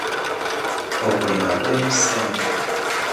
Okulima kulimu ssente.